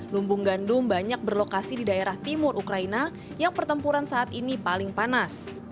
lumbung gandum banyak berlokasi di daerah timur ukraina yang pertempuran saat ini paling panas